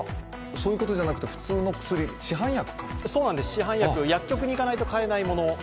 そういうことじゃなくて、普通の薬？そうなんです、市販薬薬局に行かないと買えないもの。